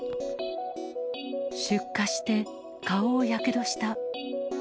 出火して、顔をやけどした。